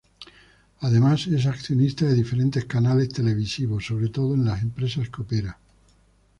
Además es accionista de diferentes canales televisivos, sobre todo en las empresas que opera.